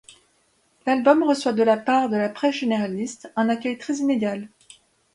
L'album reçoit de la part de la presse généraliste un accueil très inégal.